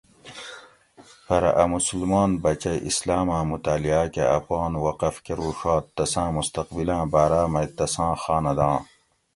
پرہ اۤ مسلمان بچئ اِسلاماۤں مطاۤلعاۤ کہ اپان وقف کروڛات تساۤں مستقبِلاۤں باۤراۤ مئ تساں خاندان